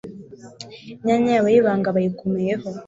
imyanya y'abo y'ibanga bayikomeyeho